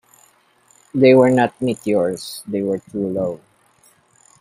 They were not meteors; they were too low.